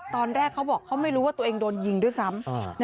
ตอนแรกเขาบอกเขาไม่รู้ว่าตัวเองโดนยิงด้วยซ้ำ